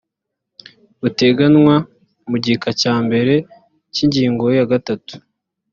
buteganywa mu gika cya mbere cy ingingo ya gatatu